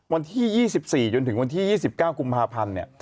วันที่ยี่สิบสี่จนถึงวันที่ยี่สิบเก้าคุมภาพันธุ์เนี่ย